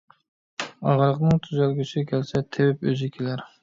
ئاغرىقنىڭ تۈزەلگۈسى كەلسە، تېۋىپ ئۆزى كېلەر.